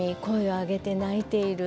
上げて泣いている。